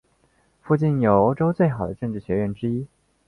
附近有欧洲最好的政治学院之一。